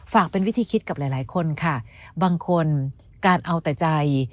เป็นวิธีคิดกับหลายหลายคนค่ะบางคนการเอาแต่ใจ